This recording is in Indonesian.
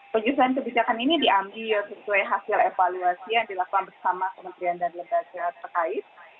penyesuaian kebijakan ini diambil sesuai hasil evaluasi yang dilakukan bersama kementerian dan lembaga terkait